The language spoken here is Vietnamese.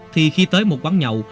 thì khi tới một quán nhậu